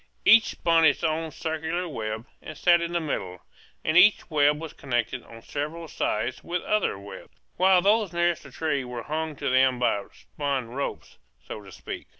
Each spun its own circular web, and sat in the middle; and each web was connected on several sides with other webs, while those nearest the trees were hung to them by spun ropes, so to speak.